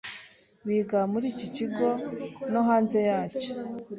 biga muri iki kigo no hanze yacyo.